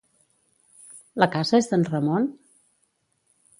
La casa és d'en Ramon?